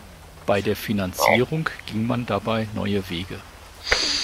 Bei der Finanzierung ging man dabei neue Wege.